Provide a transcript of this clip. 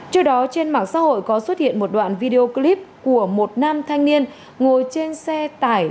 trước đó trên mạng xã hội có xuất hiện một đoạn video clip của một nam thanh niên ngồi trên xe tải